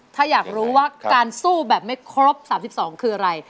ถ้าอยากรู้ว่าการสู้แบบไม่ครบ๓๒คืออะไร